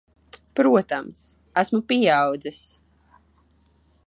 Protams. Esmu pieaudzis.